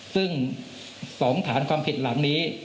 ซึ่ง๒ฐานความผิดหลังนี้